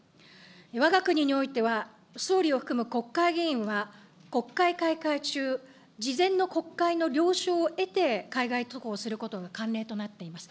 わが国においては、総理を含む国会議員は、国会開会中、事前の国会の了承を得て海外渡航することが慣例となっています。